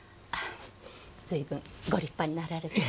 随分ご立派になられて。